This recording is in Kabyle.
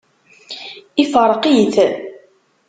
Ifṛeq-it.